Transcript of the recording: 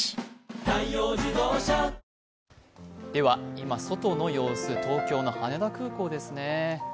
今、外の様子、東京の羽田空港ですね。